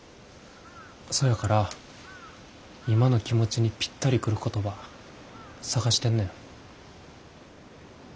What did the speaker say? そやから今の気持ちにぴったり来る言葉探してんねん。